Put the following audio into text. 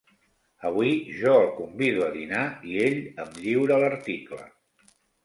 Avui jo el convido a dinar i ell em lliura l'article.